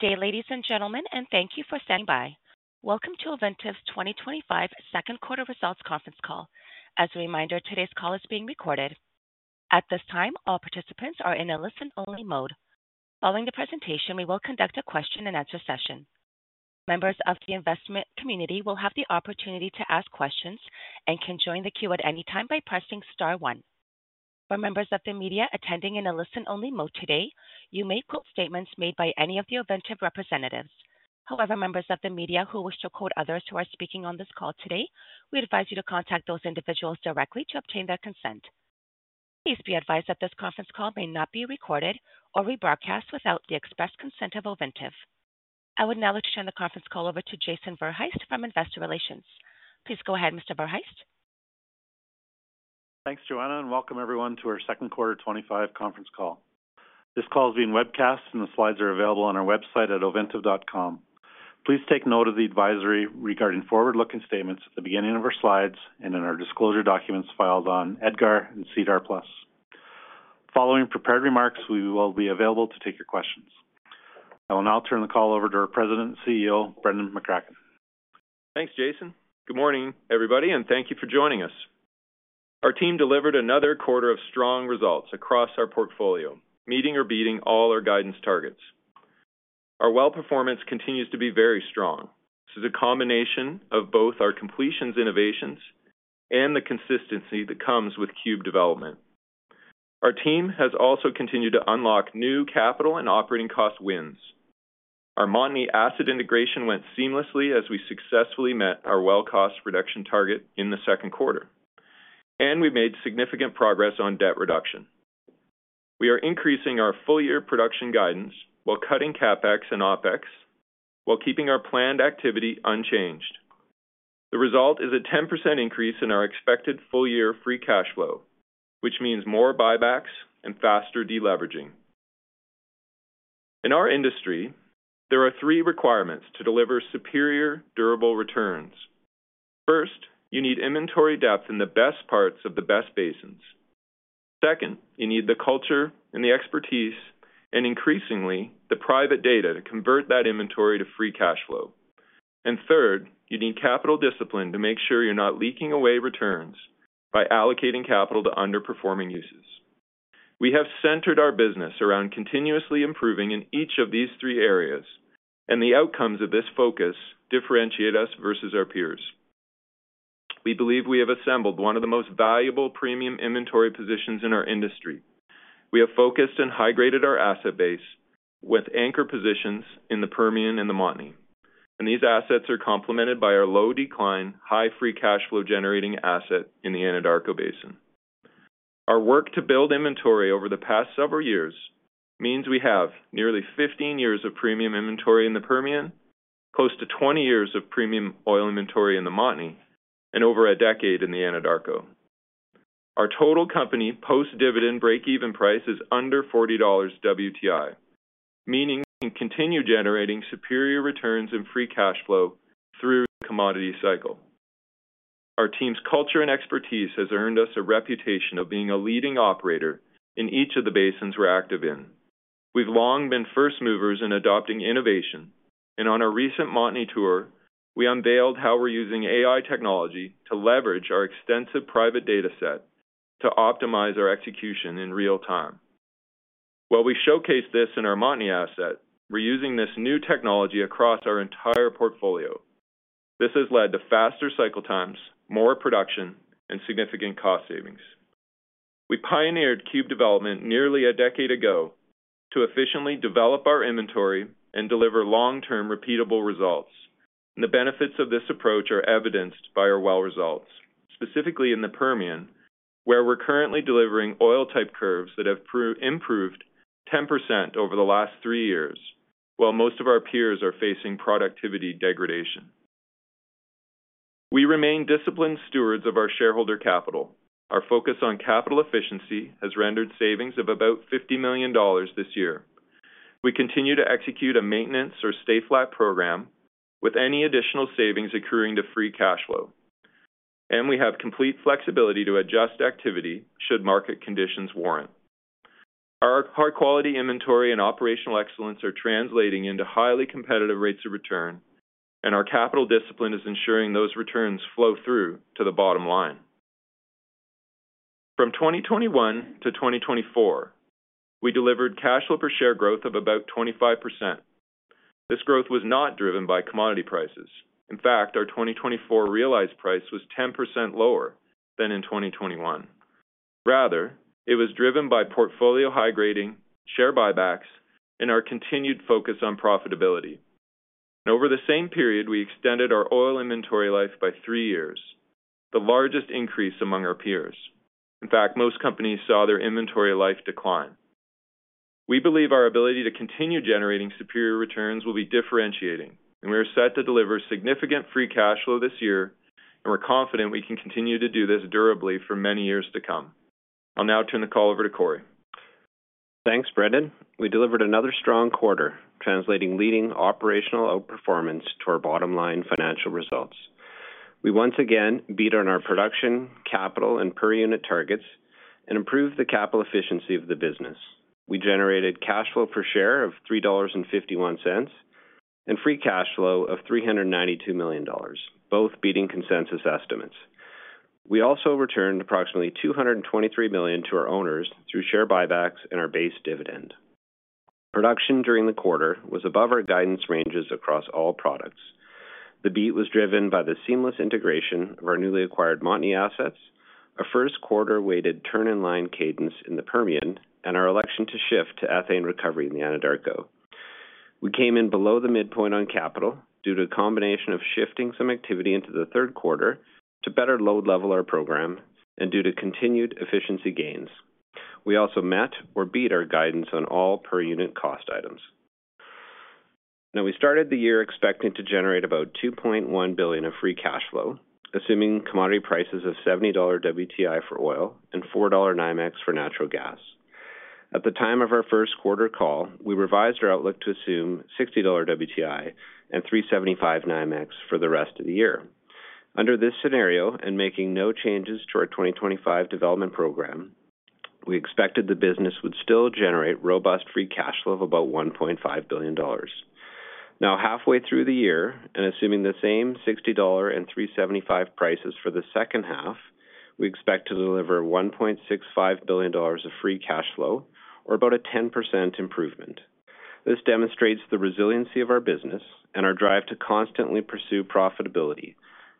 Good day, ladies and gentlemen, and thank you for standing by. Welcome to Ovintiv's 2025 Second Quarter Results Conference Call. As a reminder, today's call is being recorded. At this time, all participants are in a listen-only mode. Following the presentation, we will conduct a question and answer session. Members of the investment community will have the opportunity to ask questions and can join the queue at any time by pressing star one. For members of the media attending in a listen-only mode today, you may quote statements made by any of the Ovintiv representatives. However, members of the media who wish to quote others who are speaking on this call today, we advise you to contact those individuals directly to obtain their consent. Please be advised that this conference call may not be recorded or rebroadcast without the express consent of Ovintiv. I would now like to turn the conference call over to Jason Verhaest from Investor Relations. Please go ahead, Mr. Verhaest. Thanks, Joanne, and welcome everyone to our Second Quarter 2025 Conference Call. This call is being webcast, and the slides are available on our website at ovintiv.com. Please take note of the advisory regarding forward-looking statements at the beginning of our slides and in our disclosure documents filed on EDGAR and SEDAR+. Following prepared remarks, we will be available to take your questions. I will now turn the call over to our President and CEO, Brendan McCracken. Thanks, Jason. Good morning, everybody, and thank you for joining us. Our team delivered another quarter of strong results across our portfolio, meeting or beating all our guidance targets. Our well performance continues to be very strong. This is a combination of both our completions innovations and the consistency that comes with cube development. Our team has also continued to unlock new capital and operating cost wins. Our Montney asset integration went seamlessly as we successfully met our well cost reduction target in the second quarter, and we made significant progress on debt reduction. We are increasing our full-year production guidance while cutting CapEx and OpEx, while keeping our planned activity unchanged. The result is a 10% increase in our expected full-year free cash flow, which means more buybacks and faster deleveraging. In our industry, there are three requirements to deliver superior durable returns. First, you need inventory depth in the best parts of the best basins. Second, you need the culture and the expertise, and increasingly, the private data to convert that inventory to free cash flow. Third, you need capital discipline to make sure you're not leaking away returns by allocating capital to underperforming uses. We have centered our business around continuously improving in each of these three areas, and the outcomes of this focus differentiate us versus our peers. We believe we have assembled one of the most valuable premium inventory positions in our industry. We have focused and high-graded our asset base with anchor positions in the Permian and the Montney, and these assets are complemented by our low-decline, high-free cash flow generating asset in the Anadarko Basin. Our work to build inventory over the past several years means we have nearly 15 years of premium inventory in the Permian, close to 20 years of premium oil inventory in the Montney, and over a decade in the Anadarko. Our total company post-dividend break-even price is under $40 WTI, meaning continued generating superior returns and free cash flow through the commodity cycle. Our team's culture and expertise has earned us a reputation of being a leading operator in each of the basins we're active in. We've long been first movers in adopting innovation, and on our recent Montney tour, we unveiled how we're using AI technology to leverage our extensive private data set to optimize our execution in real time. While we showcase this in our Montney asset, we're using this new technology across our entire portfolio. This has led to faster cycle times, more production, and significant cost savings. We pioneered cube development nearly a decade ago to efficiently develop our inventory and deliver long-term repeatable results, and the benefits of this approach are evidenced by our well results, specifically in the Permian, where we're currently delivering oil type curves that have improved 10% over the last three years, while most of our peers are facing productivity degradation. We remain disciplined stewards of our shareholder capital. Our focus on capital efficiency has rendered savings of about $50 million this year. We continue to execute a maintenance or stay flat program, with any additional savings accruing to free cash flow. We have complete flexibility to adjust activity should market conditions warrant. Our high-quality inventory and operational excellence are translating into highly competitive rates of return, and our capital discipline is ensuring those returns flow through to the bottom line. From 2021 to 2024, we delivered cash flow per share growth of about 25%. This growth was not driven by commodity prices. In fact, our 2024 realized price was 10% lower than in 2021. Rather, it was driven by portfolio high grading, share buybacks, and our continued focus on profitability. Over the same period, we extended our oil inventory life by three years, the largest increase among our peers. In fact, most companies saw their inventory life decline. We believe our ability to continue generating superior returns will be differentiating, and we are set to deliver significant free cash flow this year, and we're confident we can continue to do this durably for many years to come. I'll now turn the call over to Corey. Thanks, Brendan. We delivered another strong quarter, translating leading operational outperformance to our bottom line financial results. We once again beat on our production, capital, and per unit targets and improved the capital efficiency of the business. We generated cash flow per share of $3.51. Free cash flow of $392 million, both beating consensus estimates. We also returned approximately $223 million to our owners through share buybacks and our base dividend. Production during the quarter was above our guidance ranges across all products. The beat was driven by the seamless integration of our newly acquired Montney assets, a first quarter-weighted turn-in line cadence in the Permian, and our election to shift to ethane recovery in the Anadarko. We came in below the midpoint on capital due to a combination of shifting some activity into the third quarter to better load level our program and due to continued efficiency gains. We also met or beat our guidance on all per unit cost items. Now, we started the year expecting to generate about $2.1 billion of free cash flow, assuming commodity prices of $70 WTI for oil and $4 NYMEX for natural gas. At the time of our first quarter call, we revised our outlook to assume $60 WTI and $3.75 NYMEX for the rest of the year. Under this scenario and making no changes to our 2025 development program, we expected the business would still generate robust free cash flow of about $1.5 billion. Now, halfway through the year and assuming the same $60 and $3.75 prices for the second half, we expect to deliver $1.65 billion of free cash flow, or about a 10% improvement. This demonstrates the resiliency of our business and our drive to constantly pursue profitability.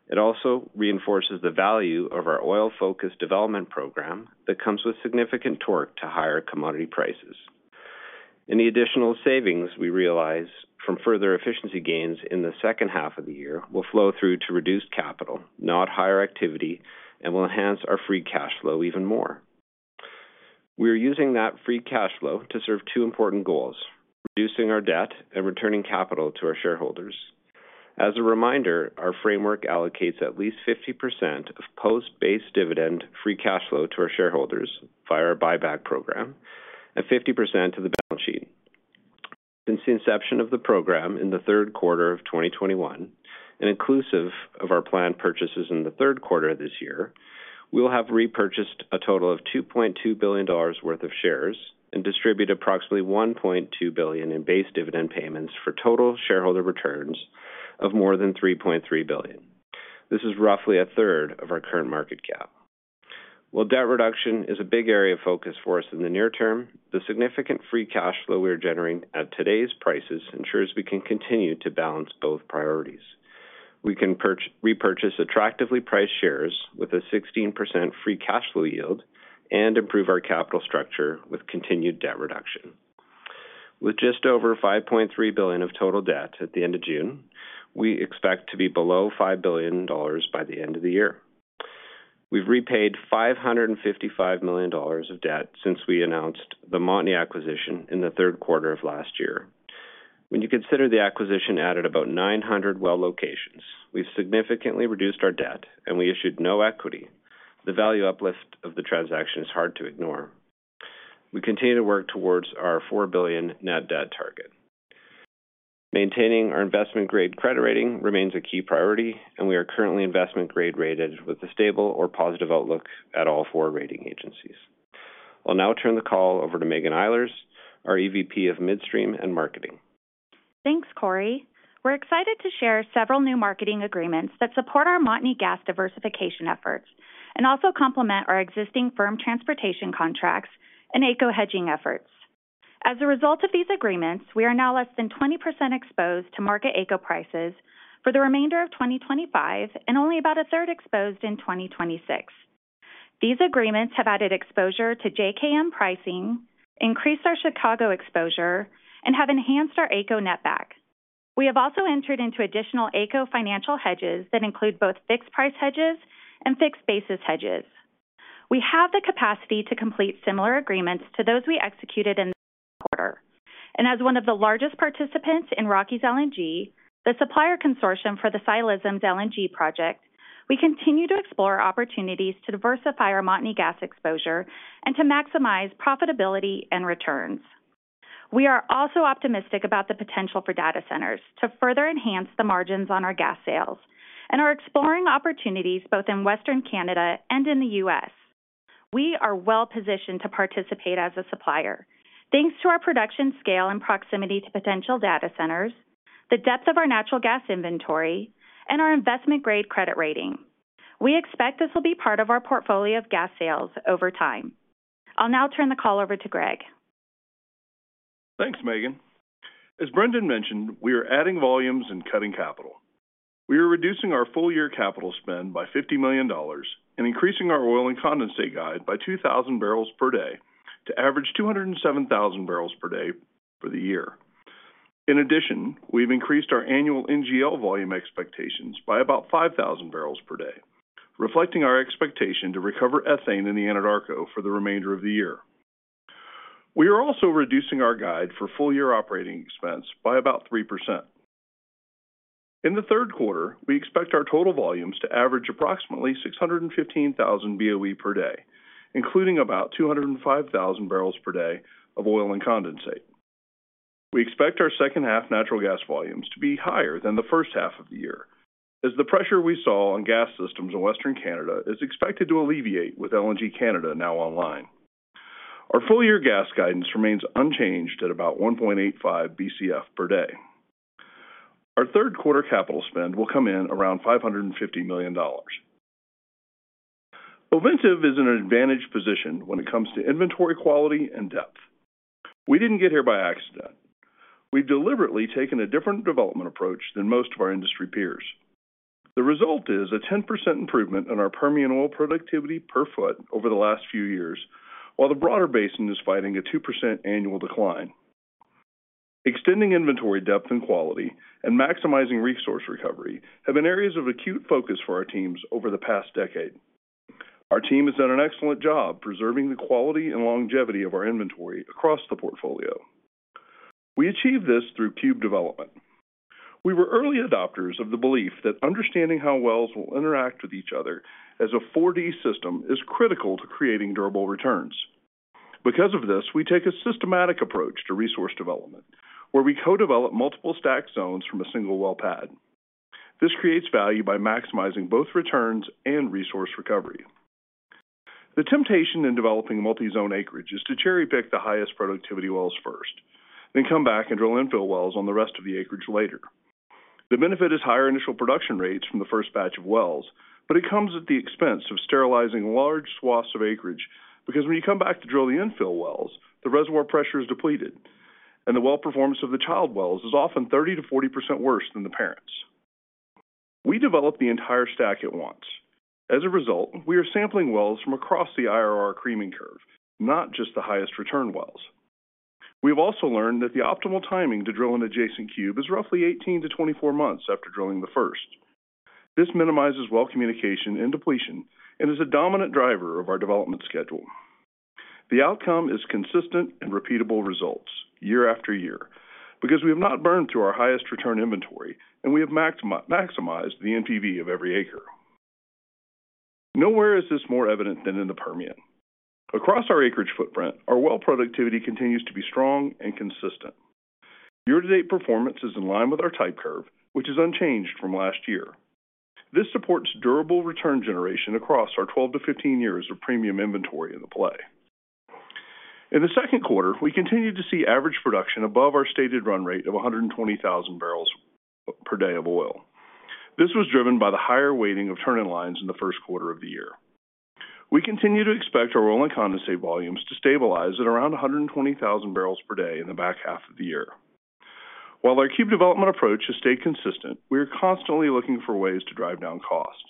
It also reinforces the value of our oil-focused development program that comes with significant torque to higher commodity prices. Any additional savings we realize from further efficiency gains in the second half of the year will flow through to reduced capital, not higher activity, and will enhance our free cash flow even more. We are using that free cash flow to serve two important goals: reducing our debt and returning capital to our shareholders. As a reminder, our framework allocates at least 50% of post-base dividend free cash flow to our shareholders via our buyback program and 50% to the balance sheet. Since the inception of the program in the third quarter of 2021 and inclusive of our planned purchases in the third quarter of this year, we will have repurchased a total of $2.2 billion worth of shares and distributed approximately $1.2 billion in base dividend payments for total shareholder returns of more than $3.3 billion. This is roughly a third of our current market cap. While debt reduction is a big area of focus for us in the near term, the significant free cash flow we are generating at today's prices ensures we can continue to balance both priorities. We can repurchase attractively priced shares with a 16% free cash flow yield and improve our capital structure with continued debt reduction. With just over $5.3 billion of total debt at the end of June, we expect to be below $5 billion by the end of the year. We've repaid $555 million of debt since we announced the Montney acquisition in the third quarter of last year. When you consider the acquisition added about 900 well locations, we've significantly reduced our debt, and we issued no equity. The value uplift of the transaction is hard to ignore. We continue to work towards our $4 billion net debt target. Maintaining our investment-grade credit rating remains a key priority, and we are currently investment-grade rated with a stable or positive outlook at all four rating agencies. I'll now turn the call over to Meghan Eilers, our EVP of Midstream and Marketing. Thanks, Corey. We're excited to share several new marketing agreements that support our Montney gas diversification efforts and also complement our existing firm transportation contracts and AECO hedging efforts. As a result of these agreements, we are now less than 20% exposed to market AECO prices for the remainder of 2025 and only about a third exposed in 2026. These agreements have added exposure to JKM pricing, increased our Chicago exposure, and have enhanced our AECO netback. We have also entered into additional AECO financial hedges that include both fixed price hedges and fixed basis hedges. We have the capacity to complete similar agreements to those we executed in the quarter. As one of the largest participants in Rockies LNG, the supplier consortium for the Ksi Lisms LNG project, we continue to explore opportunities to diversify our Montney gas exposure and to maximize profitability and returns. We are also optimistic about the potential for data centers to further enhance the margins on our gas sales and are exploring opportunities both in Western Canada and in the US. We are well positioned to participate as a supplier, thanks to our production scale and proximity to potential data centers, the depth of our natural gas inventory, and our investment-grade credit rating. We expect this will be part of our portfolio of gas sales over time. I'll now turn the call over to Greg. Thanks, Meghan. As Brendan mentioned, we are adding volumes and cutting capital. We are reducing our full-year capital spend by $50 million and increasing our oil and condensate guide by 2,000 barrels per day to average 207,000 barrels per day for the year. In addition, we've increased our annual NGL volume expectations by about 5,000 barrels per day, reflecting our expectation to recover ethane in the Anadarko for the remainder of the year. We are also reducing our guide for full-year operating expense by about 3%. In the third quarter, we expect our total volumes to average approximately 615,000 BOE per day, including about 205,000 barrels per day of oil and condensate. We expect our second half natural gas volumes to be higher than the first half of the year, as the pressure we saw on gas systems in Western Canada is expected to alleviate with LNG Canada now online. Our full-year gas guidance remains unchanged at about 1.85 BCF per day. Our third quarter capital spend will come in around $550 million. Ovintiv is in an advantaged position when it comes to inventory quality and depth. We didn't get here by accident. We've deliberately taken a different development approach than most of our industry peers. The result is a 10% improvement in our Permian oil productivity per foot over the last few years, while the broader basin is fighting a 2% annual decline. Extending inventory depth and quality and maximizing resource recovery have been areas of acute focus for our teams over the past decade. Our team has done an excellent job preserving the quality and longevity of our inventory across the portfolio. We achieve this through cube development. We were early adopters of the belief that understanding how wells will interact with each other as a 4D system is critical to creating durable returns. Because of this, we take a systematic approach to resource development, where we co-develop multiple stack zones from a single well pad. This creates value by maximizing both returns and resource recovery. The temptation in developing multi-zone acreage is to cherry-pick the highest productivity wells first, then come back and drill infill wells on the rest of the acreage later. The benefit is higher initial production rates from the first batch of wells, but it comes at the expense of sterilizing large swaths of acreage because when you come back to drill the infill wells, the reservoir pressure is depleted, and the well performance of the child wells is often 30% to 40% worse than the parents. We develop the entire stack at once. As a result, we are sampling wells from across the IRR creaming curve, not just the highest return wells. We have also learned that the optimal timing to drill an adjacent cube is roughly 18-24 months after drilling the first. This minimizes well communication and depletion and is a dominant driver of our development schedule. The outcome is consistent and repeatable results year after year because we have not burned through our highest return inventory, and we have maximized the NPV of every acre. Nowhere is this more evident than in the Permian. Across our acreage footprint, our well productivity continues to be strong and consistent. Year-to-date performance is in line with our type curve, which is unchanged from last year. This supports durable return generation across our 12-15 years of premium inventory in the play. In the second quarter, we continue to see average production above our stated run rate of 120,000 barrels per day of oil. This was driven by the higher weighting of turn-in lines in the first quarter of the year. We continue to expect our oil and condensate volumes to stabilize at around 120,000 barrels per day in the back half of the year. While our cube development approach has stayed consistent, we are constantly looking for ways to drive down cost.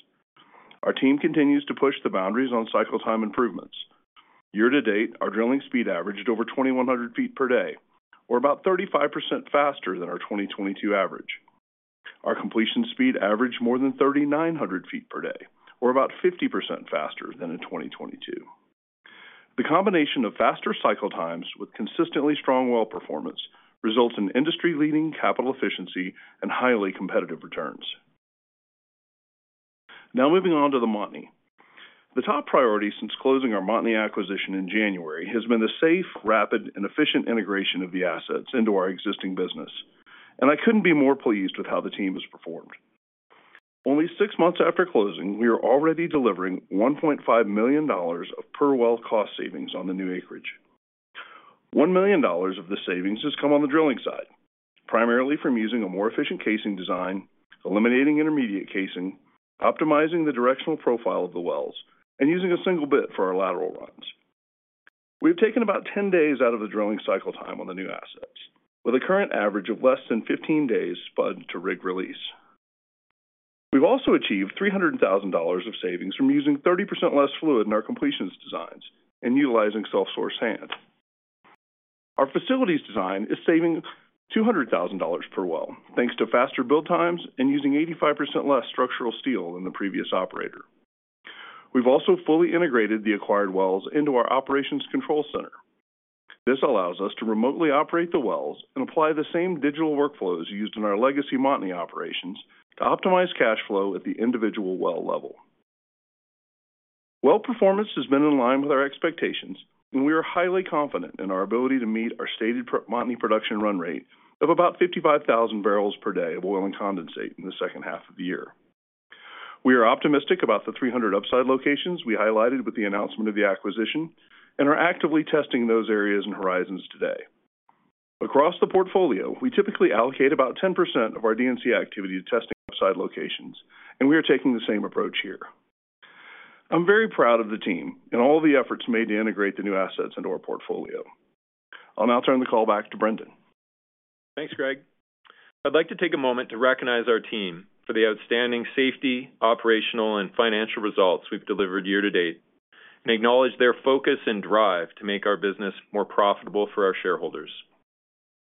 Our team continues to push the boundaries on cycle time improvements. Year-to-date, our drilling speed averaged over 2,100 feet per day, or about 35% faster than our 2022 average. Our completion speed averaged more than 3,900 feet per day, or about 50% faster than in 2022. The combination of faster cycle times with consistently strong well performance results in industry-leading capital efficiency and highly competitive returns. Now moving on to the Montney. The top priority since closing our Montney acquisition in January has been the safe, rapid, and efficient integration of the assets into our existing business. I couldn't be more pleased with how the team has performed. Only six months after closing, we are already delivering $1.5 million of per well cost savings on the new acreage. $1 million of the savings has come on the drilling side, primarily from using a more efficient casing design, eliminating intermediate casing, optimizing the directional profile of the wells, and using a single bit for our lateral runs. We have taken about 10 days out of the drilling cycle time on the new assets, with a current average of less than 15 days spud to rig release. We've also achieved $300,000 of savings from using 30% less fluid in our completions designs and utilizing self-source sand. Our facilities design is saving $200,000 per well, thanks to faster build times and using 85% less structural steel than the previous operator. We've also fully integrated the acquired wells into our operations control center. This allows us to remotely operate the wells and apply the same digital workflows used in our legacy Montney operations to optimize cash flow at the individual well level. Well performance has been in line with our expectations, and we are highly confident in our ability to meet our stated Montney production run rate of about 55,000 barrels per day of oil and condensate in the second half of the year. We are optimistic about the 300 upside locations we highlighted with the announcement of the acquisition and are actively testing those areas and horizons today. Across the portfolio, we typically allocate about 10% of our DNC activity to testing upside locations, and we are taking the same approach here. I'm very proud of the team and all the efforts made to integrate the new assets into our portfolio. I'll now turn the call back to Brendan. Thanks, Greg. I'd like to take a moment to recognize our team for the outstanding safety, operational, and financial results we've delivered year-to-date and acknowledge their focus and drive to make our business more profitable for our shareholders.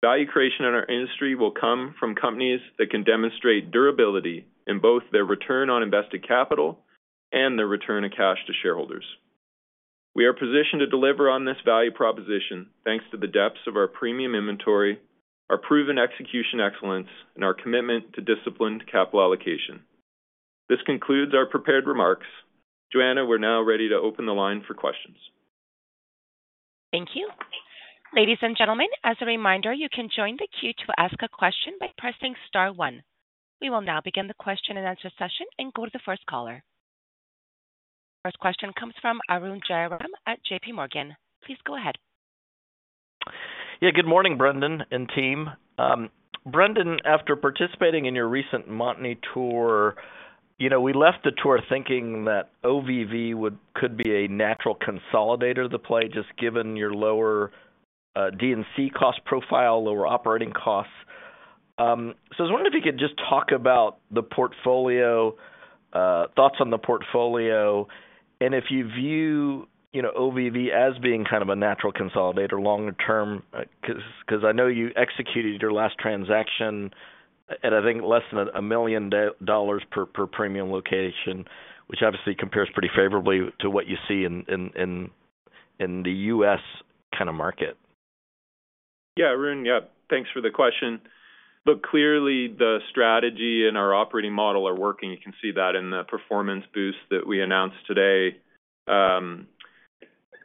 Value creation in our industry will come from companies that can demonstrate durability in both their return on invested capital and their return of cash to shareholders. We are positioned to deliver on this value proposition thanks to the depths of our premium inventory, our proven execution excellence, and our commitment to disciplined capital allocation. This concludes our prepared remarks. Joanne, we're now ready to open the line for questions. Thank you. Ladies and gentlemen, as a reminder, you can join the queue to ask a question by pressing star one. We will now begin the question and answer session and go to the first caller. First question comes from Arun Jayaram at JPMorgan. Please go ahead. Yeah, good morning, Brendan and team. Brendan, after participating in your recent Montney tour, you know we left the tour thinking that OVV could be a natural consolidator of the play just given your lower D&C cost profile, lower operating costs. I was wondering if you could just talk about the portfolio, thoughts on the portfolio, and if you view OVV as being kind of a natural consolidator long term. Because I know you executed your last transaction at, I think, less than $1 million per premium location, which obviously compares pretty favorably to what you see in the U.S. kind of market. Yeah, Arun, yeah, thanks for the question. Look, clearly the strategy and our operating model are working. You can see that in the performance boost that we announced today.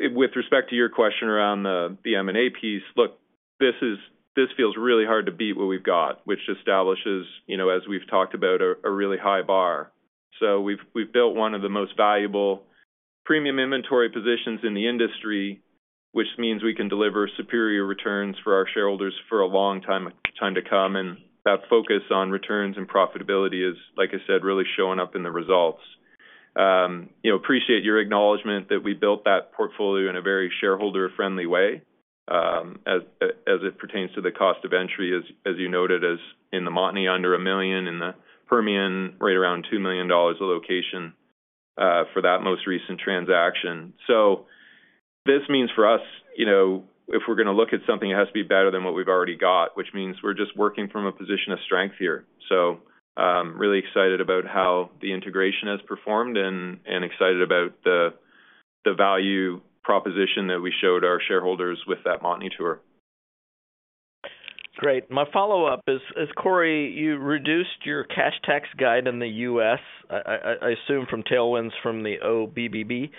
With respect to your question around the M&A piece, look, this feels really hard to beat what we've got, which establishes, as we've talked about, a really high bar. We have built one of the most valuable premium inventory positions in the industry, which means we can deliver superior returns for our shareholders for a long time to come. That focus on returns and profitability is, like I said, really showing up in the results. Appreciate your acknowledgment that we built that portfolio in a very shareholder-friendly way. As it pertains to the cost of entry, as you noted, as in the Montney, under $1 million and the Permian, right around $2 million a location for that most recent transaction. This means for us, you know, if we're going to look at something, it has to be better than what we've already got, which means we're just working from a position of strength here. Really excited about how the integration has performed and excited about the value proposition that we showed our shareholders with that Montney tour. Great. My follow-up is, Corey, you reduced your cash tax guide in the U.S., I assume from tailwinds from the OBBB.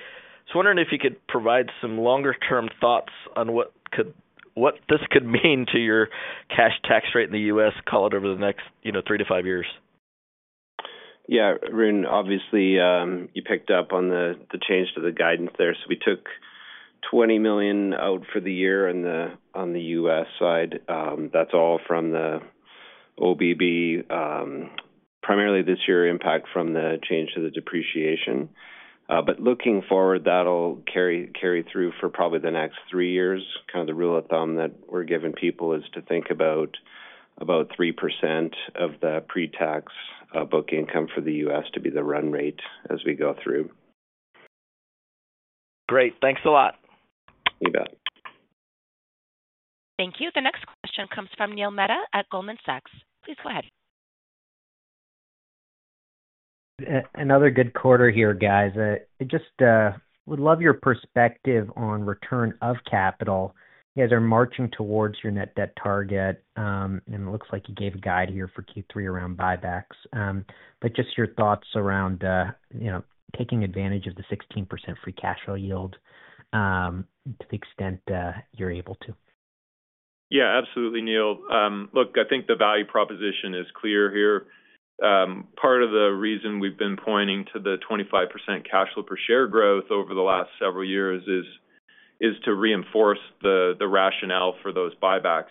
I was wondering if you could provide some longer-term thoughts on what this could mean to your cash tax rate in the U.S., call it, over the next three to five years. Yeah, Arun, obviously, you picked up on the change to the guidance there. We took $20 million out for the year on the U.S. side. That's all from the OBB, primarily this year impact from the change to the depreciation. Looking forward, that'll carry through for probably the next three years. Kind of the rule of thumb that we're giving people is to think about 3% of the pre-tax book income for the U.S. to be the run rate as we go through. Great. Thanks a lot. You bet. Thank you. The next question comes from Neil Mehta at Goldman Sachs. Please go ahead. Another good quarter here, guys. I just would love your perspective on return of capital. You guys are marching towards your net debt target, and it looks like you gave a guide here for Q3 around buybacks. Just your thoughts around taking advantage of the 16% free cash flow yield to the extent you're able to. Yeah, absolutely, Neil. Look, I think the value proposition is clear here. Part of the reason we've been pointing to the 25% cash flow per share growth over the last several years is to reinforce the rationale for those buybacks.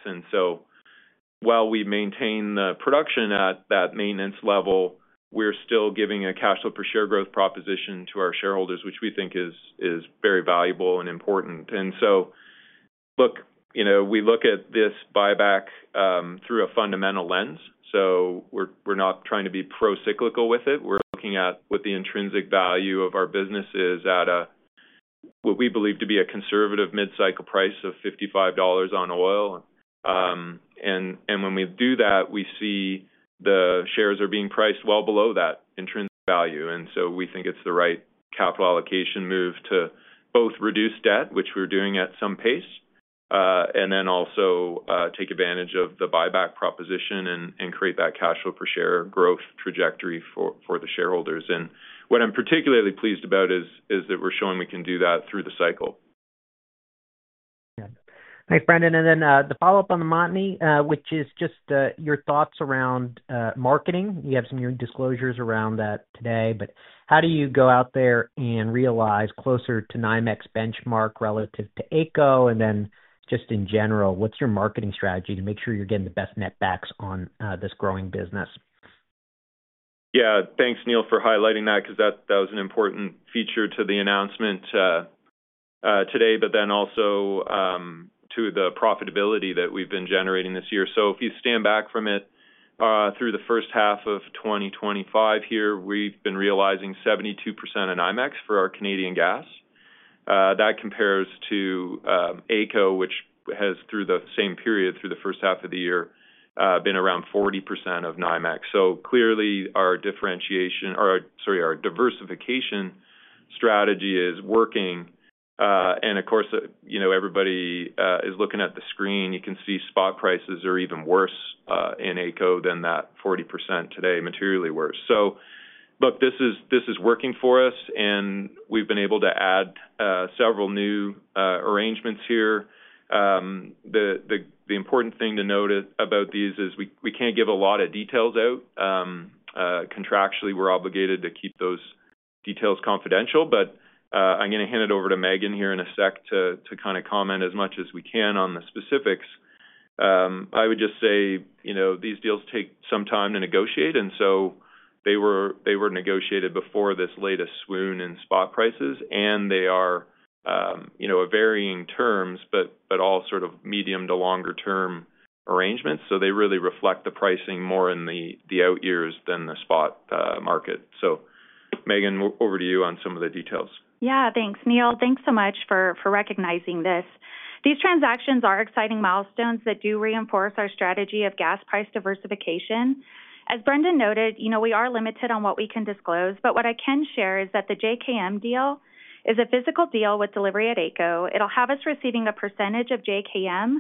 While we maintain the production at that maintenance level, we're still giving a cash flow per share growth proposition to our shareholders, which we think is very valuable and important. Look, we look at this buyback through a fundamental lens. We're not trying to be pro-cyclical with it. We're looking at what the intrinsic value of our business is at, what we believe to be a conservative mid-cycle price of $55 on oil. When we do that, we see the shares are being priced well below that intrinsic value. We think it's the right capital allocation move to both reduce debt, which we're doing at some pace, and then also take advantage of the buyback proposition and create that cash flow per share growth trajectory for the shareholders. What I'm particularly pleased about is that we're showing we can do that through the cycle. Thanks, Brendan. The follow-up on the Montney, which is just your thoughts around marketing. You have some new disclosures around that today. How do you go out there and realize closer to NYMEX benchmark relative to AECO? In general, what's your marketing strategy to make sure you're getting the best netbacks on this growing business? Yeah, thanks, Neil, for highlighting that because that was an important feature to the announcement today, but then also to the profitability that we've been generating this year. If you stand back from it, through the first half of 2025 here, we've been realizing 72% in NYMEX for our Canadian gas. That compares to AECO, which has, through the same period, through the first half of the year, been around 40% of NYMEX. Clearly, our differentiation, or sorry, our diversification strategy is working. Of course, everybody is looking at the screen. You can see spot prices are even worse in AECO than that 40% today, materially worse. Look, this is working for us, and we've been able to add several new arrangements here. The important thing to note about these is we can't give a lot of details out. Contractually, we're obligated to keep those details confidential. I'm going to hand it over to Meghan here in a sec to kind of comment as much as we can on the specifics. I would just say these deals take some time to negotiate, and so they were negotiated before this latest swoon in spot prices, and they are varying terms, but all sort of medium to longer-term arrangements. They really reflect the pricing more in the out years than the spot market. Meghan, over to you on some of the details. Yeah, thanks, Neil. Thanks so much for recognizing this. These transactions are exciting milestones that do reinforce our strategy of gas price diversification. As Brendan noted, we are limited on what we can disclose. What I can share is that the JKM deal is a physical deal with delivery at AECO. It will have us receiving a percentage of JKM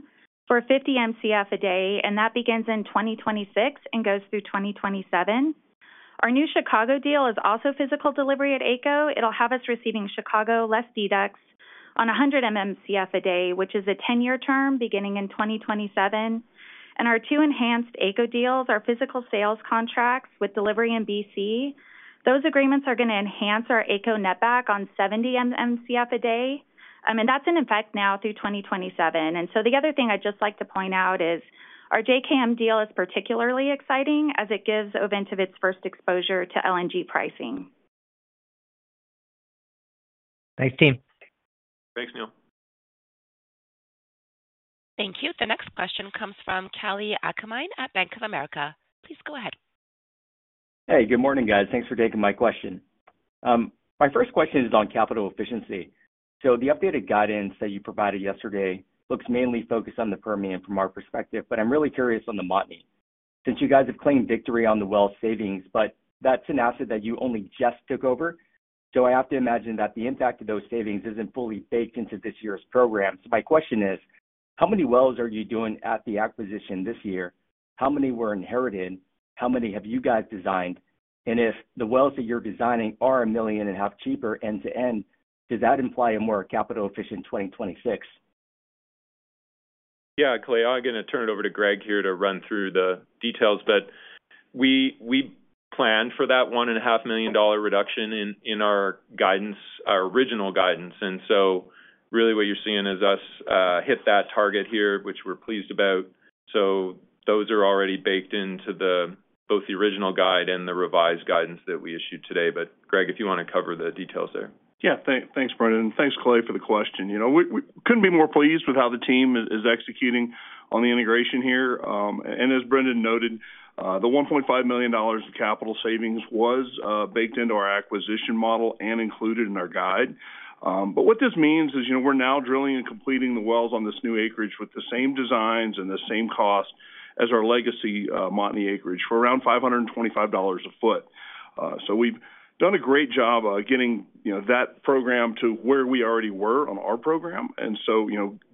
for 50 MCF a day, and that begins in 2026 and goes through 2027. Our new Chicago deal is also physical delivery at AECO. It will have us receiving Chicago less DDEX on 100 MCF a day, which is a 10-year term beginning in 2027. Our two enhanced AECO deals are physical sales contracts with delivery in BC. Those agreements are going to enhance our AECO netback on 70 MCF a day. That is in effect now through 2027. The other thing I would just like to point out is our JKM deal is particularly exciting as it gives Ovintiv its first exposure to LNG pricing. Thanks, team. Thanks, Neil. Thank you. The next question comes from Kalei Akamine at Bank of America. Please go ahead. Hey, good morning, guys. Thanks for taking my question. My first question is on capital efficiency. The updated guidance that you provided yesterday looks mainly focused on the Permian from our perspective, but I'm really curious on the Montney. Since you guys have claimed victory on the well savings, but that's an asset that you only just took over. I have to imagine that the impact of those savings isn't fully baked into this year's program. My question is, how many wells are you doing at the acquisition this year? How many were inherited? How many have you guys designed? If the wells that you're designing are $1.5 million cheaper end to end, does that imply a more capital-efficient 2026? Yeah, Kalei, I'm going to turn it over to Greg here to run through the details. We planned for that $1.5 million reduction in our guidance, our original guidance. What you're seeing is us hit that target here, which we're pleased about. Those are already baked into both the original guide and the revised guidance that we issued today. Greg, if you want to cover the details there. Yeah, thanks, Brendan. And thanks, Kalei, for the question. We couldn't be more pleased with how the team is executing on the integration here. As Brendan noted, the $1.5 million of capital savings was baked into our acquisition model and included in our guide. What this means is we're now drilling and completing the wells on this new acreage with the same designs and the same cost as our legacy Montney acreage for around $525 a foot. We've done a great job getting that program to where we already were on our program.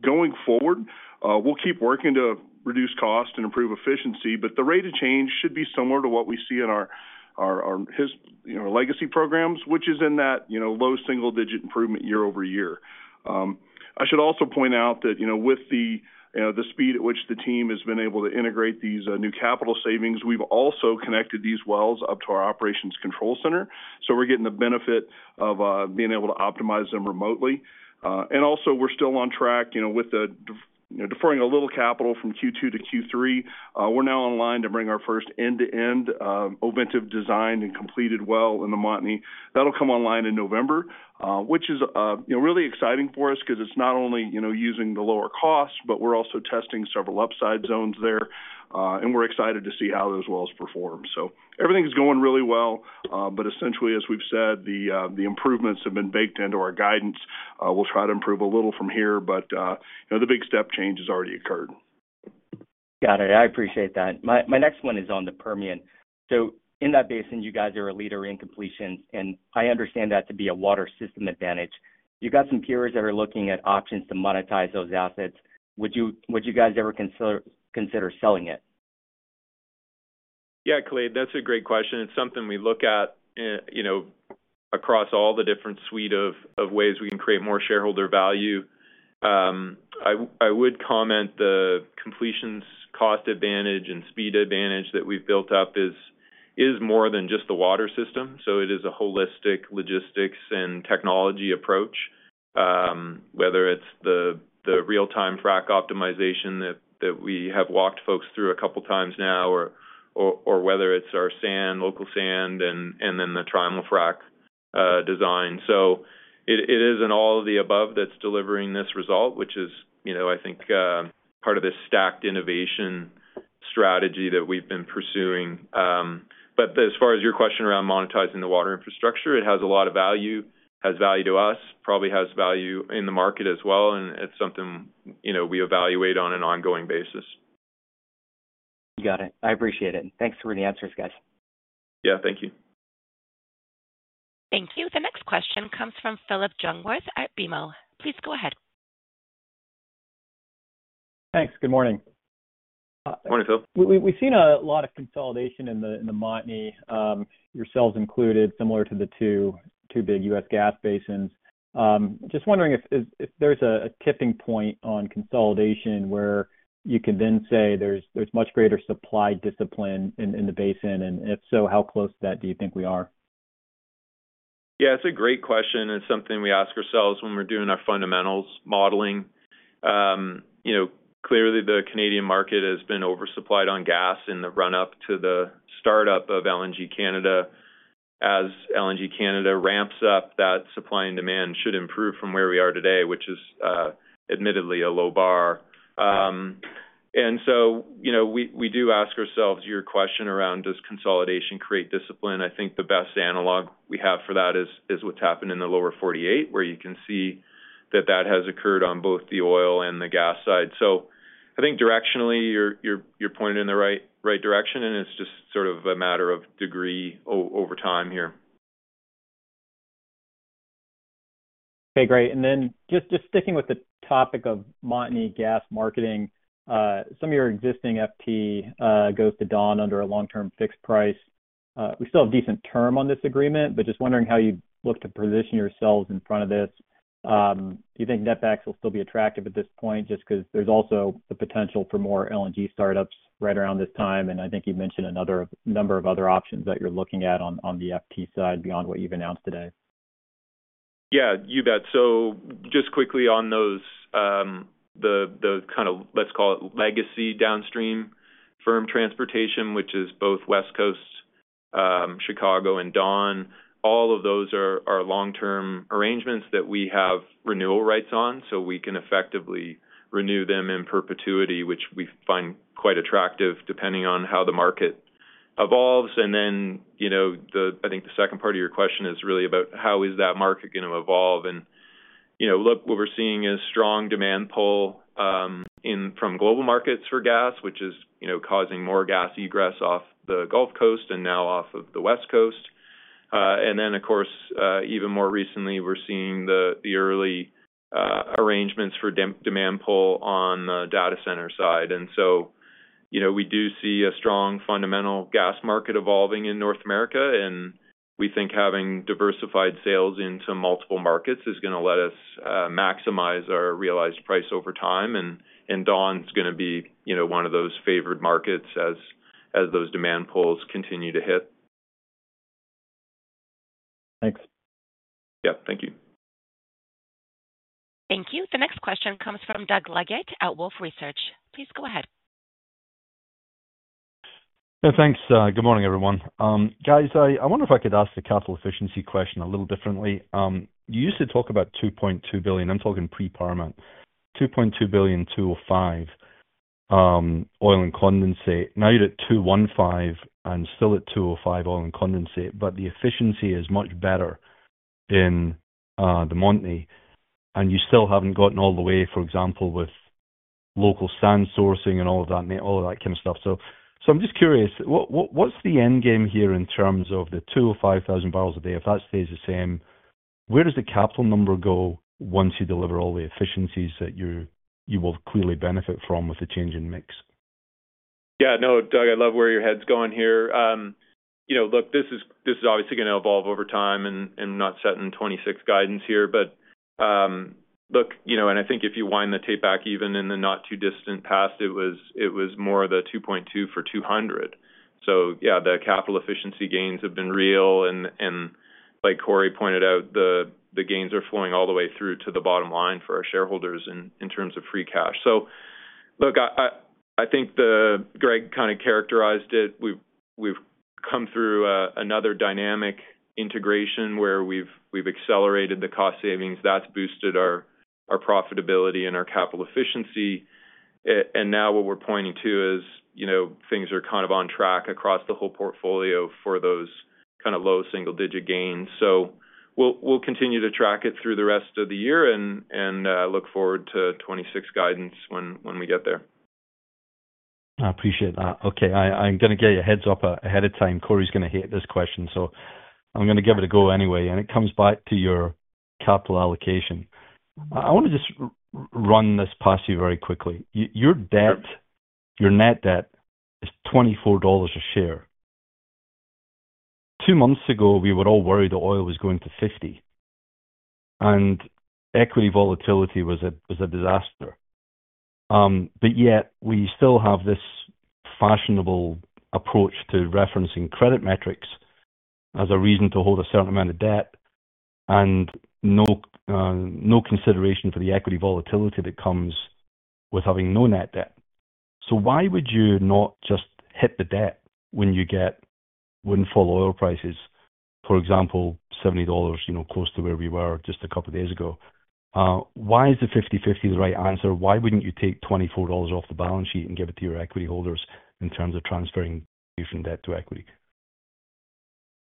Going forward, we'll keep working to reduce cost and improve efficiency. The rate of change should be similar to what we see in our legacy programs, which is in that low single-digit improvement year over year. I should also point out that with the speed at which the team has been able to integrate these new capital savings, we've also connected these wells up to our operations control center. We're getting the benefit of being able to optimize them remotely. Also, we're still on track with deferring a little capital from Q2 to Q3. We're now online to bring our first end-to-end Ovintiv design and completed well in the Montney. That'll come online in November, which is really exciting for us because it's not only using the lower cost, but we're also testing several upside zones there. We're excited to see how those wells perform. Everything's going really well. Essentially, as we've said, the improvements have been baked into our guidance. We'll try to improve a little from here, but the big step change has already occurred. Got it. I appreciate that. My next one is on the Permian. In that basin, you guys are a leader in completions, and I understand that to be a water system advantage. You've got some peers that are looking at options to monetize those assets. Would you guys ever consider selling it? Yeah, Kalei, that's a great question. It's something we look at. Across all the different suite of ways we can create more shareholder value. I would comment the completions cost advantage and speed advantage that we've built up is more than just the water system. It is a holistic logistics and technology approach. Whether it's the real-time frac optimization that we have walked folks through a couple of times now, or whether it's our sand, local sand, and then the trial frac design. It isn't all of the above that's delivering this result, which is, I think, part of this stacked innovation strategy that we've been pursuing. As far as your question around monetizing the water infrastructure, it has a lot of value, has value to us, probably has value in the market as well. It's something we evaluate on an ongoing basis. Got it. I appreciate it. Thanks for the answers, guys. Yeah, thank you. Thank you. The next question comes from Philip Jungwirth at BMO. Please go ahead. Thanks. Good morning. Morning, Phil. We've seen a lot of consolidation in the Montney, yourselves included, similar to the two big U.S. gas basins. Just wondering if there's a tipping point on consolidation where you can then say there's much greater supply discipline in the basin. If so, how close to that do you think we are? Yeah, it's a great question. It's something we ask ourselves when we're doing our fundamentals modeling. Clearly, the Canadian market has been oversupplied on gas in the run-up to the startup of LNG Canada. As LNG Canada ramps up, that supply and demand should improve from where we are today, which is admittedly a low bar. We do ask ourselves your question around, does consolidation create discipline? I think the best analog we have for that is what's happened in the lower 48, where you can see that that has occurred on both the oil and the gas side. I think directionally, you're pointed in the right direction, and it's just sort of a matter of degree over time here. Okay, great. Then just sticking with the topic of Montney gas marketing, some of your existing FT goes to Dawn under a long-term fixed price. We still have a decent term on this agreement, but just wondering how you look to position yourselves in front of this. Do you think netbacks will still be attractive at this point? Just because there's also the potential for more LNG startups right around this time. I think you mentioned a number of other options that you're looking at on the FT side beyond what you've announced today. Yeah, you bet. Just quickly on those, the kind of, let's call it legacy downstream firm transportation, which is both West Coast, Chicago, and Dawn, all of those are long-term arrangements that we have renewal rights on. We can effectively renew them in perpetuity, which we find quite attractive depending on how the market evolves. I think the second part of your question is really about how is that market going to evolve? What we're seeing is a strong demand pull from global markets for gas, which is causing more gas egress off the Gulf Coast and now off of the West Coast. Of course, even more recently, we're seeing the early arrangements for demand pull on the data center side. We do see a strong fundamental gas market evolving in North America. We think having diversified sales into multiple markets is going to let us maximize our realized price over time. Dawn is going to be one of those favored markets as those demand pulls continue to hit. Thanks. Yeah, thank you. Thank you. The next question comes from Doug Leggatte at Wolf Research. Please go ahead. Yeah, thanks. Good morning, everyone. Guys, I wonder if I could ask a capital efficiency question a little differently. You used to talk about $2.2 billion. I'm talking pre-farma. $2.2 billion 205. Oil and condensate. Now you're at 215 and still at 205 oil and condensate, but the efficiency is much better in the Montney. And you still haven't gotten all the way, for example, with local sand sourcing and all of that, all of that kind of stuff. I'm just curious, what's the end game here in terms of the 205,000 barrels a day? If that stays the same, where does the capital number go once you deliver all the efficiencies that you will clearly benefit from with the change in mix? Yeah, no, Doug, I love where your head's going here. Look, this is obviously going to evolve over time, and I'm not setting 2026 guidance here. But look, and I think if you wind the tape back even in the not too distant past, it was more of the $2.2 million for 200. So yeah, the capital efficiency gains have been real. And like Corey pointed out, the gains are flowing all the way through to the bottom line for our shareholders in terms of free cash. So look, I think Greg kind of characterized it. We've come through another dynamic integration where we've accelerated the cost savings. That's boosted our profitability and our capital efficiency. And now what we're pointing to is things are kind of on track across the whole portfolio for those kind of low single-digit gains. So we'll continue to track it through the rest of the year and look forward to 2026 guidance when we get there. I appreciate that. Okay, I'm going to get you a heads-up ahead of time. Corey's going to hate this question. I'm going to give it a go anyway. It comes back to your capital allocation. I want to just run this past you very quickly. Your net debt is $24 a share. Two months ago, we were all worried that oil was going to $50. Equity volatility was a disaster. Yet, we still have this fashionable approach to referencing credit metrics as a reason to hold a certain amount of debt and no consideration for the equity volatility that comes with having no net debt. Why would you not just hit the debt when you get windfall oil prices, for example, $70, close to where we were just a couple of days ago? Why is the 50/50 the right answer? Why wouldn't you take $24 off the balance sheet and give it to your equity holders in terms of transferring you from debt to equity?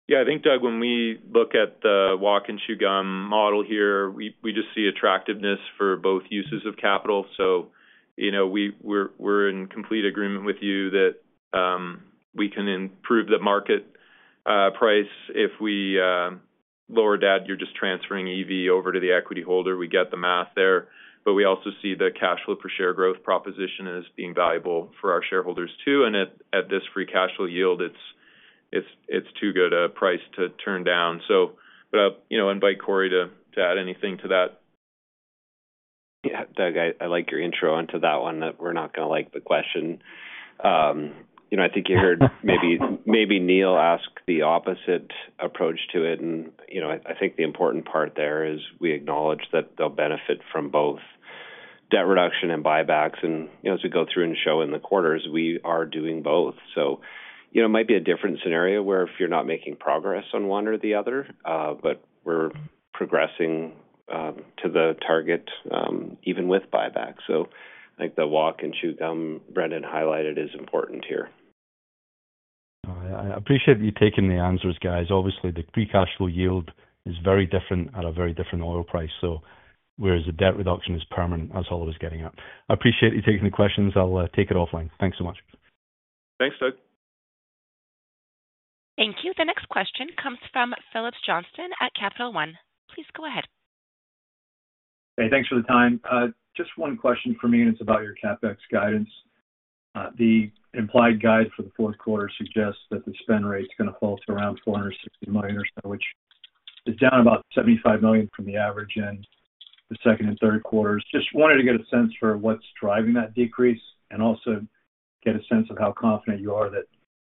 Yeah, I think, Doug, when we look at the walk-and-chew-gum model here, we just see attractiveness for both uses of capital. We are in complete agreement with you that we can improve the market price if we lower debt. You are just transferring EV over to the equity holder. We get the math there. We also see the cash flow per share growth proposition as being valuable for our shareholders too. At this free cash flow yield, it is too good a price to turn down. I invite Corey to add anything to that. Yeah, Doug, I like your intro into that one. We're not going to like the question. I think you heard maybe Neil ask the opposite approach to it. I think the important part there is we acknowledge that they'll benefit from both debt reduction and buybacks. As we go through and show in the quarters, we are doing both. It might be a different scenario where if you're not making progress on one or the other, but we're progressing to the target even with buybacks. I think the walk-and-chew-gum Brendan highlighted is important here. I appreciate you taking the answers, guys. Obviously, the free cash flow yield is very different at a very different oil price. Whereas the debt reduction is permanent, that's all I was getting at. I appreciate you taking the questions. I'll take it offline. Thanks so much. Thanks, Doug. Thank you. The next question comes from Phillips Johnston at Capital One. Please go ahead. Hey, thanks for the time. Just one question for me, and it's about your CapEx guidance. The implied guide for the fourth quarter suggests that the spend rate is going to fall to around $460 million, which is down about $75 million from the average in the second and third quarters. Just wanted to get a sense for what's driving that decrease and also get a sense of how confident you are that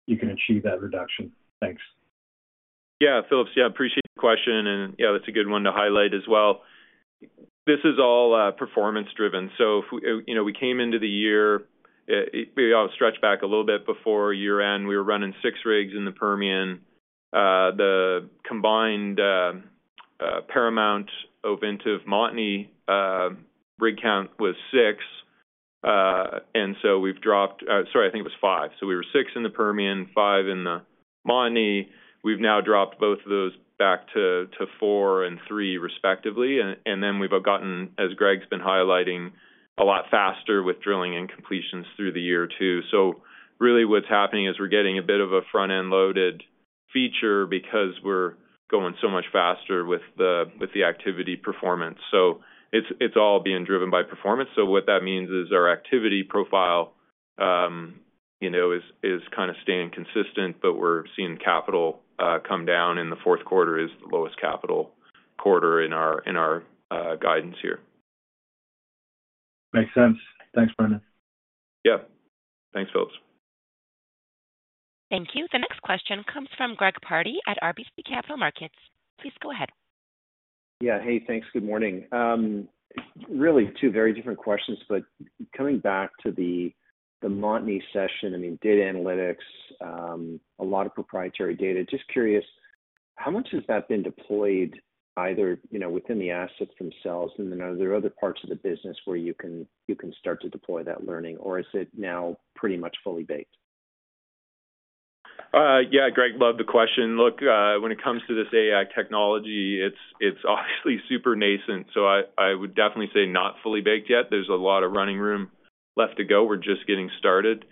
you can achieve that reduction. Thanks. Yeah, Phillips, yeah, I appreciate the question. Yeah, that's a good one to highlight as well. This is all performance-driven. We came into the year. We stretched back a little bit before year-end. We were running six rigs in the Permian. The combined Paramount, Ovintiv, Montney rig count was six. We dropped—sorry, I think it was five. We were six in the Permian, five in the Montney. We've now dropped both of those back to four and three, respectively. We've gotten, as Greg's been highlighting, a lot faster with drilling and completions through the year too. Really, what's happening is we're getting a bit of a front-end loaded feature because we're going so much faster with the activity performance. It's all being driven by performance. What that means is our activity profile is kind of staying consistent, but we're seeing capital come down, and the fourth quarter is the lowest capital quarter in our guidance here. Makes sense. Thanks, Brendan. Yeah. Thanks, Phillips. Thank you. The next question comes from Greg Pardy at RBC Capital Markets. Please go ahead. Yeah, hey, thanks. Good morning. Really, two very different questions, but coming back to the Montney session, I mean, data analytics. A lot of proprietary data. Just curious, how much has that been deployed either within the assets themselves and then are there other parts of the business where you can start to deploy that learning, or is it now pretty much fully baked? Yeah, Greg, love the question. Look, when it comes to this AI technology, it's obviously super nascent. I would definitely say not fully baked yet. There's a lot of running room left to go. We're just getting started.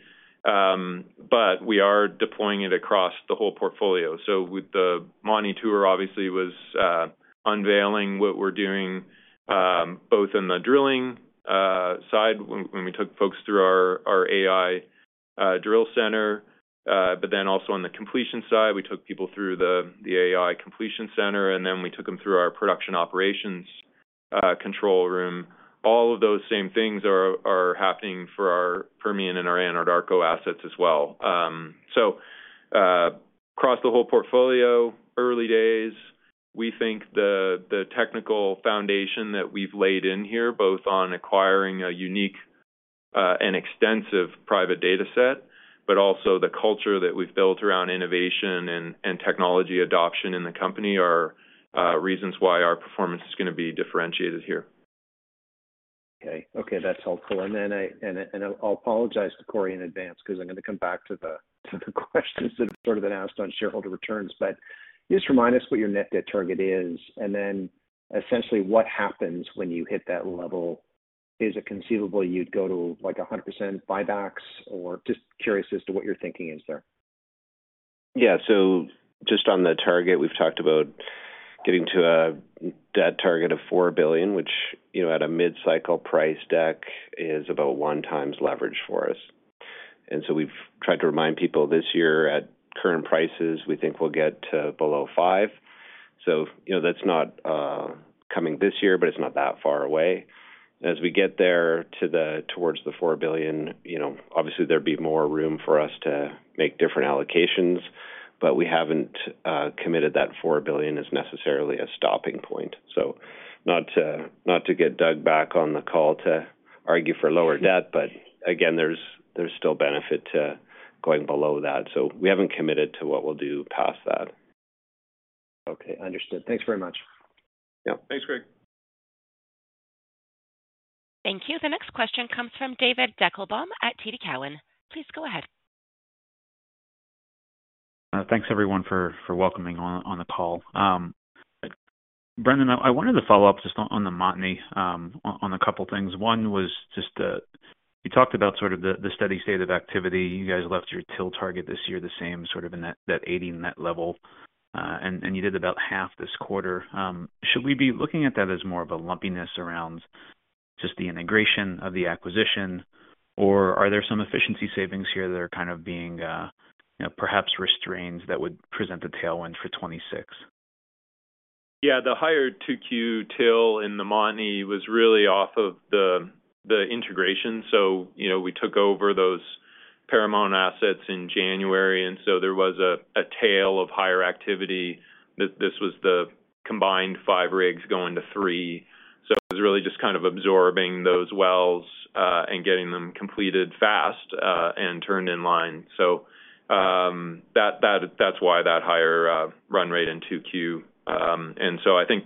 We are deploying it across the whole portfolio. With the Montney tour, obviously, it was unveiling what we're doing both on the drilling side when we took folks through our AI drill center, but then also on the completion side, we took people through the AI completion center, and then we took them through our production operations control room. All of those same things are happening for our Permian and our Anadarko assets as well. Across the whole portfolio, early days, we think the technical foundation that we've laid in here, both on acquiring a unique and extensive private data set, but also the culture that we've built around innovation and technology adoption in the company, are reasons why our performance is going to be differentiated here. Okay. Okay, that's helpful. I'll apologize to Corey in advance because I'm going to come back to the questions that have sort of been asked on shareholder returns. Just remind us what your net debt target is, and then essentially what happens when you hit that level. Is it conceivable you'd go to 100% buybacks? I'm just curious as to what your thinking is there. Yeah. So just on the target, we've talked about getting to a debt target of $4 billion, which at a mid-cycle price deck is about one time's leverage for us. And so we've tried to remind people this year at current prices, we think we'll get to below $5 billion. So that's not coming this year, but it's not that far away. As we get there towards the $4 billion, obviously, there'd be more room for us to make different allocations, but we haven't committed that $4 billion as necessarily a stopping point. Not to get Doug back on the call to argue for lower debt, but again, there's still benefit to going below that. So we haven't committed to what we'll do past that. Okay. Understood. Thanks very much. Yeah. Thanks, Greg. Thank you. The next question comes from David Deckelbaum at TD Cowen. Please go ahead. Thanks, everyone, for welcoming on the call. Brendan, I wanted to follow up just on the Montney on a couple of things. One was just. You talked about sort of the steady state of activity. You guys left your TIL target this year the same, sort of in that 80 net level. And you did about half this quarter. Should we be looking at that as more of a lumpiness around just the integration of the acquisition, or are there some efficiency savings here that are kind of being, perhaps, restrained that would present a tailwind for 2026? Yeah, the higher 2Q TIL in the Montney was really off of the integration. We took over those Paramount Resources assets in January, and there was a tail of higher activity that this was the combined five rigs going to three. It was really just kind of absorbing those wells and getting them completed fast and turned in line. That is why that higher run rate in 2Q. I think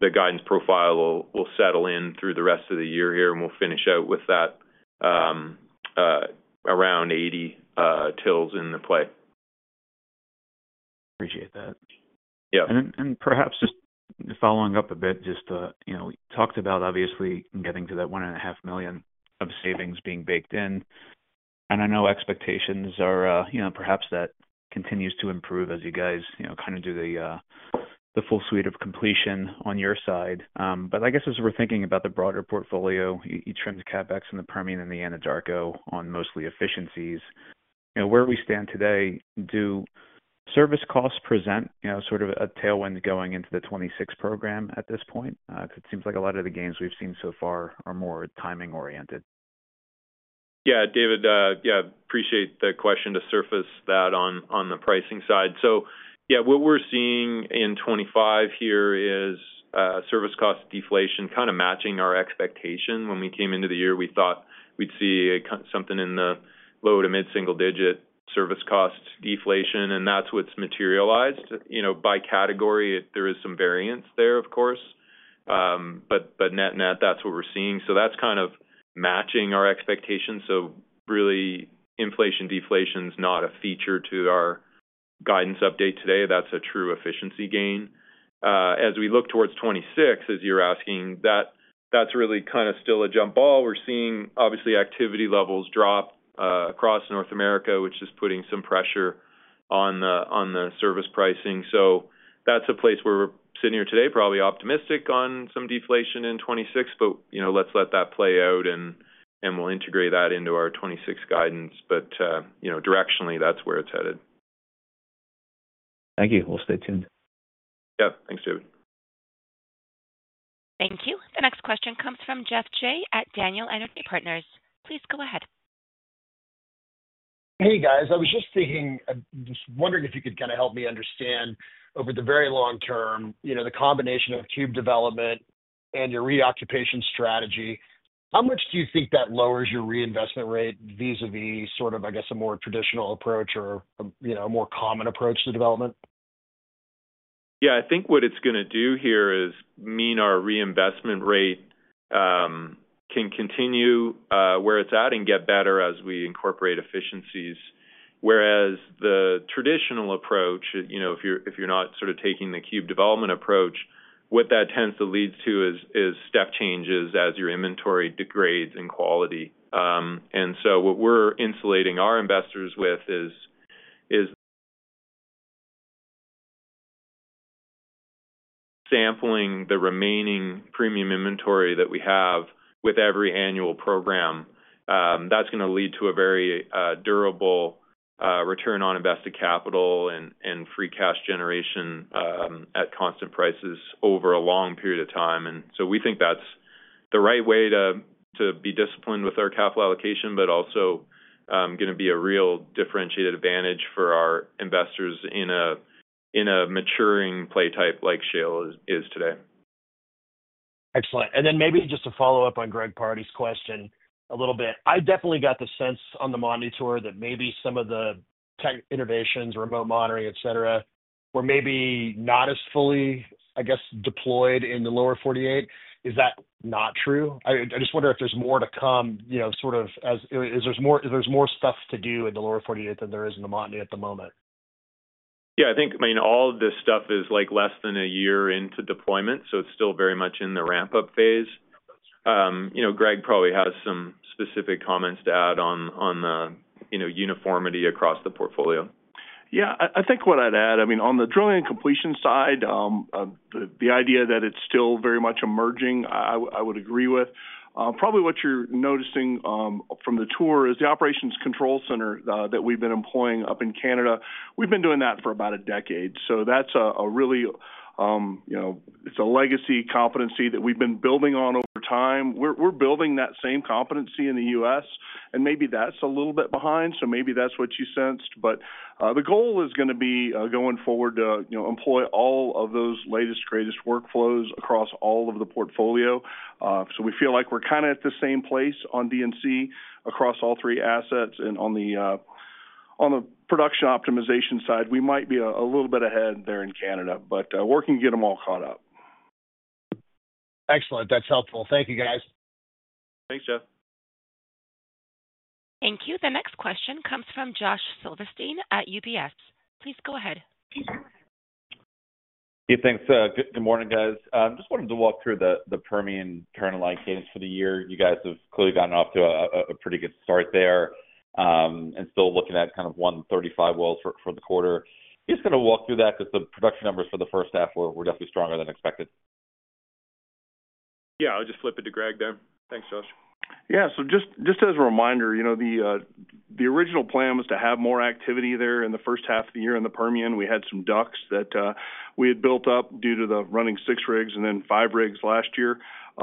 the guidance profile will settle in through the rest of the year here, and we will finish out with that, around 80 TILs in the play. Appreciate that. Perhaps just following up a bit, just we talked about, obviously, getting to that $1.5 million of savings being baked in. I know expectations are perhaps that continues to improve as you guys kind of do the full suite of completion on your side. I guess as we're thinking about the broader portfolio, you trimmed the CapEx in the Permian and the Anadarko on mostly efficiencies. Where we stand today, do service costs present sort of a tailwind going into the 2026 program at this point? It seems like a lot of the gains we've seen so far are more timing-oriented. Yeah, David, yeah, appreciate the question to surface that on the pricing side. Yeah, what we're seeing in 2025 here is service cost deflation kind of matching our expectation. When we came into the year, we thought we'd see something in the low to mid-single-digit service cost deflation, and that's what's materialized. By category, there is some variance there, of course. Net net, that's what we're seeing. That's kind of matching our expectations. Really, inflation deflation is not a feature to our guidance update today. That's a true efficiency gain. As we look towards 2026, as you're asking, that's really kind of still a jump ball. We're seeing, obviously, activity levels drop across North America, which is putting some pressure on the service pricing. That's a place where we're sitting here today, probably optimistic on some deflation in 2026, but let's let that play out, and we'll integrate that into our 2026 guidance. Directionally, that's where it's headed. Thank you. We'll stay tuned. Yeah. Thanks, David. Thank you. The next question comes from Geoff Jay at Daniel Energy Partners. Please go ahead. Hey, guys. I was just thinking, just wondering if you could kind of help me understand over the very long term, the combination of cube development and your reoccupation strategy, how much do you think that lowers your reinvestment rate vis-à-vis sort of, I guess, a more traditional approach or a more common approach to development? Yeah. I think what it's going to do here is mean our reinvestment rate can continue where it's at and get better as we incorporate efficiencies. Whereas the traditional approach, if you're not sort of taking the cube development approach, what that tends to lead to is step changes as your inventory degrades in quality. What we're insulating our investors with is sampling the remaining premium inventory that we have with every annual program. That's going to lead to a very durable return on invested capital and free cash generation at constant prices over a long period of time. We think that's the right way to be disciplined with our capital allocation, but also going to be a real differentiated advantage for our investors in a maturing play type like shale is today. Excellent. Maybe just to follow up on Greg Pardy's question a little bit, I definitely got the sense on the Montney tour that maybe some of the tech innovations, remote monitoring, etc., were maybe not as fully, I guess, deployed in the lower 48. Is that not true? I just wonder if there's more to come, sort of as if there's more stuff to do in the lower 48 than there is in the Montney at the moment. Yeah. I think, I mean, all of this stuff is less than a year into deployment, so it's still very much in the ramp-up phase. Greg probably has some specific comments to add on the uniformity across the portfolio. Yeah. I think what I'd add, I mean, on the drilling and completion side. The idea that it's still very much emerging, I would agree with. Probably what you're noticing from the tour is the operations control center that we've been employing up in Canada. We've been doing that for about a decade. That's a really, it's a legacy competency that we've been building on over time. We're building that same competency in the U.S., and maybe that's a little bit behind. Maybe that's what you sensed. The goal is going to be going forward to employ all of those latest, greatest workflows across all of the portfolio. We feel like we're kind of at the same place on D&C across all three assets. On the production optimization side, we might be a little bit ahead there in Canada, but we're working to get them all caught up. Excellent. That's helpful. Thank you, guys. Thanks, Geoff. Thank you. The next question comes from Josh Silverstein at UBS. Please go ahead. Hey, thanks. Good morning, guys. I just wanted to walk through the Permian turn-in-line cadence for the year. You guys have clearly gotten off to a pretty good start there. Still looking at kind of 135 wells for the quarter. Just going to walk through that because the production numbers for the first half were definitely stronger than expected. Yeah. I'll just flip it to Greg then. Thanks, Josh. Yeah. Just as a reminder, the original plan was to have more activity there in the first half of the year in the Permian. We had some ducks that we had built up due to running six rigs and then five rigs last year.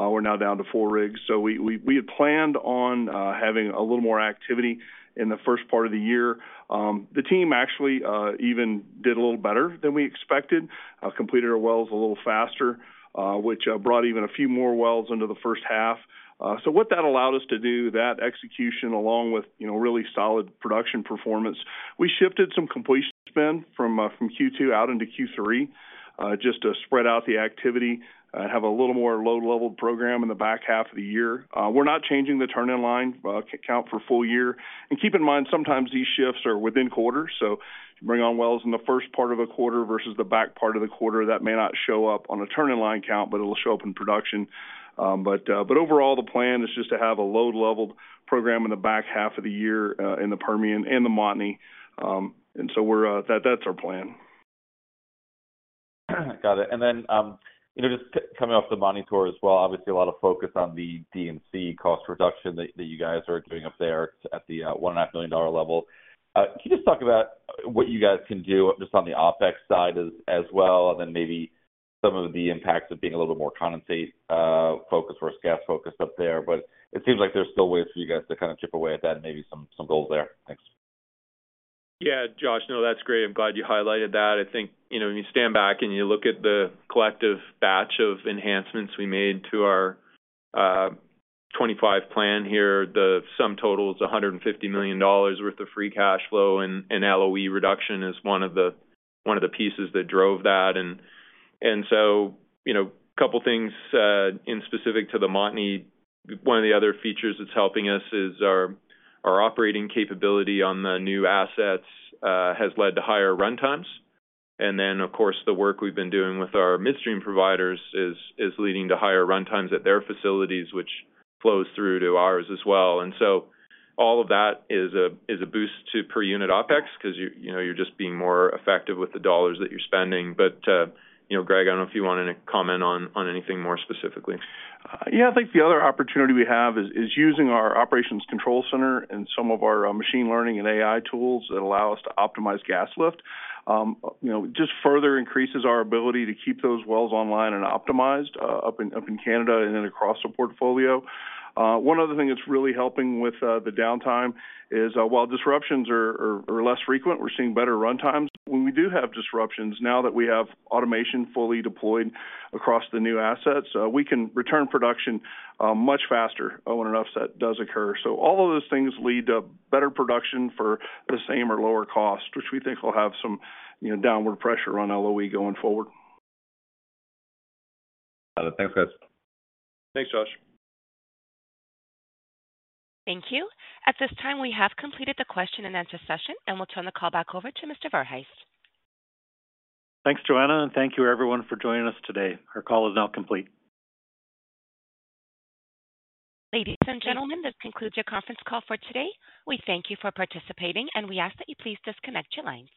We're now down to four rigs. We had planned on having a little more activity in the first part of the year. The team actually even did a little better than we expected, completed our wells a little faster, which brought even a few more wells into the first half. What that allowed us to do, that execution along with really solid production performance, we shifted some completion spend from Q2 out into Q3 just to spread out the activity and have a little more low-level program in the back half of the year. We're not changing the turn-in line count for the full year. Keep in mind, sometimes these shifts are within quarters. Bringing on wells in the first part of a quarter versus the back part of the quarter may not show up on a turn-in-line count, but it'll show up in production. Overall, the plan is just to have a low-level program in the back half of the year in the Permian and the Montney. That's our plan. Got it. Just coming off the Montney tour as well, obviously, a lot of focus on the D&C cost reduction that you guys are doing up there at the $1.5 million level. Can you just talk about what you guys can do just on the OpEx side as well, and then maybe some of the impacts of being a little bit more condensate-focused versus gas-focused up there? It seems like there are still ways for you guys to kind of chip away at that and maybe some goals there. Thanks. Yeah, Josh, no, that's great. I'm glad you highlighted that. I think when you stand back and you look at the collective batch of enhancements we made to our 2025 plan here, the sum total is $150 million worth of free cash flow, and LOE reduction is one of the pieces that drove that. A couple of things in specific to the Montney. One of the other features that's helping us is our operating capability on the new assets has led to higher run times. Of course, the work we've been doing with our midstream providers is leading to higher run times at their facilities, which flows through to ours as well. All of that is a boost to per unit OpEx because you're just being more effective with the dollars that you're spending. Greg, I don't know if you wanted to comment on anything more specifically. Yeah. I think the other opportunity we have is using our operations control center and some of our machine learning and AI tools that allow us to optimize gas lift. Just further increases our ability to keep those wells online and optimized up in Canada and then across the portfolio. One other thing that's really helping with the downtime is while disruptions are less frequent, we're seeing better run times. When we do have disruptions, now that we have automation fully deployed across the new assets, we can return production much faster when an upset does occur. All of those things lead to better production for the same or lower cost, which we think will have some downward pressure on LOE going forward. Got it. Thanks, guys. Thanks, Josh. Thank you. At this time, we have completed the question and answer session, and we'll turn the call back over to Mr. Verhaest. Thanks, Joanne, and thank you, everyone, for joining us today. Our call is now complete. Ladies and gentlemen, this concludes your conference call for today. We thank you for participating, and we ask that you please disconnect your lines.